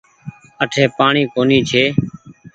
اٺي پآڻيٚ ڪونيٚ ڇي۔